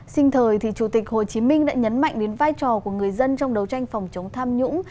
sinh thời chủ tịch hồ chí minh đã nhấn mạnh đến vai trò của người dân trong đấu tranh phòng chống tham nhũng